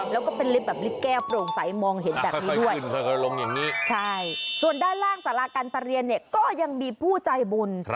แล้วก็เป็นลิฟต์แบบลิฟต์แก้วโปร่งใสมองเห็นแบบนี้ด้วยส่วนด้านล่างสาราการประเรียนเนี่ยก็ยังมีผู้ใจบุญ